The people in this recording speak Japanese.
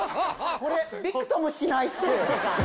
これびくともしないっす。